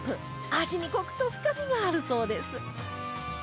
味にコクと深みがあるそうです